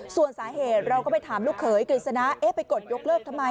ส่วนสาเหตุเราก็ไปถามลูกเขยกฤษณะไปกดยกเลิกทำไม